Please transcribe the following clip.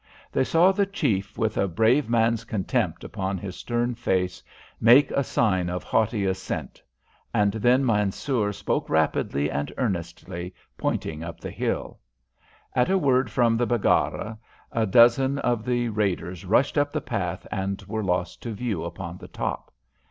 They saw the chief, with a brave man's contempt upon his stern face, make a sign of haughty assent, and then Mansoor spoke rapidly and earnestly, pointing up the hill. At a word from the Baggara, a dozen of the raiders rushed up the path and were lost to view upon the top.